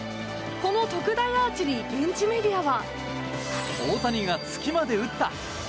この特大アーチに現地メディアは。